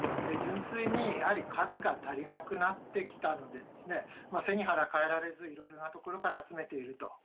純粋に数が足りなくなってきたので背に腹代えられずいろいろなところから集めていると。